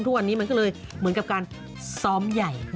ทุกวันนี้มันก็เลยเหมือนกับการซ้อมใหญ่